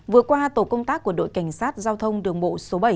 vừa qua tổ công tác của đội cảnh sát giao thông đường bộ số bảy